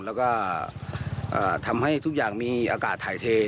แล้วก็ทำให้ทุกอย่างมีอากาศถ่ายเท